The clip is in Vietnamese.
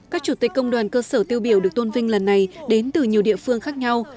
các chủ tịch công đoàn cơ sở tiêu biểu được tôn vinh lần này đến từ nhiều địa phương khác nhau